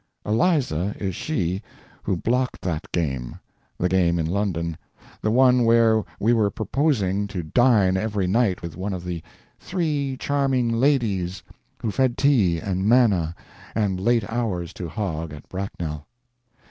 Eliza is she who blocked that game the game in London the one where we were purposing to dine every night with one of the "three charming ladies" who fed tea and manna and late hours to Hogg at Bracknell.